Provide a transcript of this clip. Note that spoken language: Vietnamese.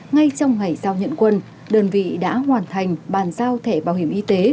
ngay trong ngày giao nhận quân đơn vị đã hoàn thành bàn giao thẻ bảo hiểm y tế